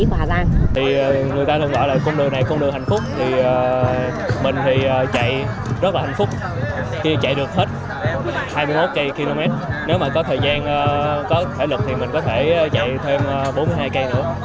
cung đường này là cung đường hạnh phúc mình thì chạy rất là hạnh phúc khi chạy được hết hai mươi một cây km nếu mà có thời gian có thể lực thì mình có thể chạy thêm bốn mươi hai cây nữa